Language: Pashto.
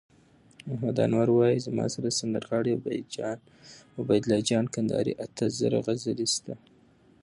محمد نور وایی: زما سره د سندرغاړی عبیدالله جان کندهاری اته زره غزلي سته